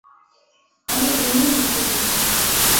আমি এমনিই নিক্ষেপ করছি।